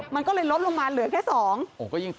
มันก็เลยลดลงมาเหลือแค่๒